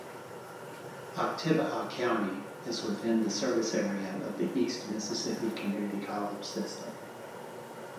Oktibbeha County is within the service area of the East Mississippi Community College system.